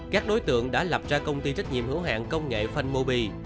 các đối tượng đã lập ra công ty trách nhiệm hữu hạn công nghệ phanmobi